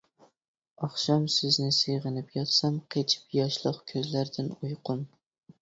ئاخشام سىزنى سېغىنىپ ياتسام، قېچىپ ياشلىق كۆزلەردىن ئۇيقۇ.